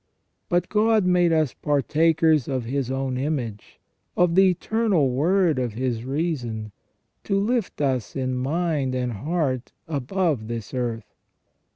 But God made us partakers of His own image, of the Eternal Word of His reason, to lift us in mind and heart above this earth.